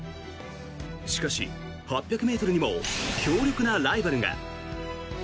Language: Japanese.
しかし、８００ｍにも強力なライバルが。